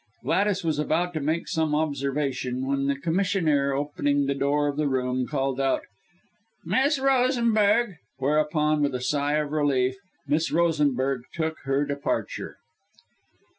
Gladys was about to make some observation, when the commissionaire, opening the door of the room, called out, "Miss Rosenberg;" whereupon, with a sigh of relief, Miss Rosenberg took her departure.